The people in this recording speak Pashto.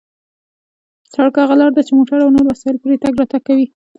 سړک هغه لار ده چې موټر او نور وسایط پرې تگ راتگ کوي.